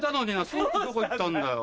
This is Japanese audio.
スーツどこ行ったんだよ？